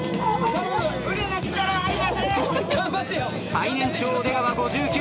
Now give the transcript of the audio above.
最年長出川５９歳。